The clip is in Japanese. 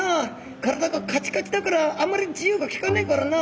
体がカチカチだからあんまり自由がきかねえからなあ。